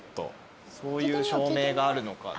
そういう照明があるのか。